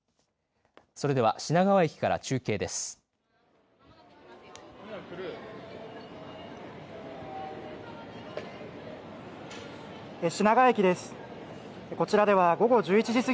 それでは品川駅から中継です。